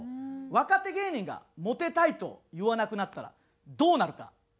若手芸人が「モテたい」と言わなくなったらどうなるか。